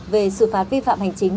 về xử phạt vi phạm hành chính